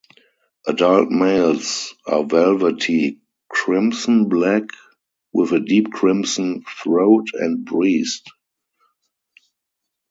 Adult males are velvety crimson black with a deep crimson throat and breast.